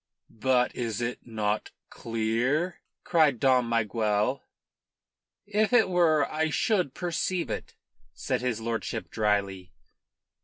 "But is it not clear?" cried Dom Miguel. "If it were I should perceive it," said his lordship dryly.